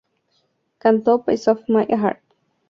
Cantó "Piece of My Heart.